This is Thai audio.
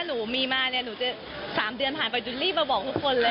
ยังไม่บอก